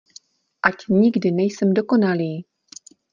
Ať nikdy nejsem dokonalý!